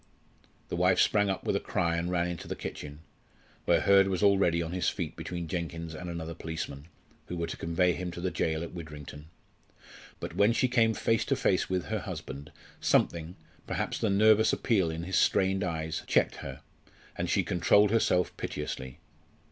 The wife sprang up with a cry and ran into the kitchen, where Hurd was already on his feet between Jenkins and another policeman, who were to convey him to the gaol at Widrington. But when she came face to face with her husband something perhaps the nervous appeal in his strained eyes checked her, and she controlled herself piteously.